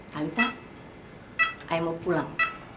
lalita aku mau pulang